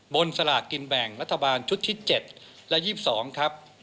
สลากกินแบ่งรัฐบาลชุดที่๗และ๒๒ครับ